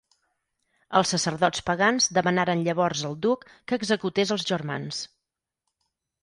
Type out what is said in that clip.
Els sacerdots pagans demanaren llavors al duc que executés els germans.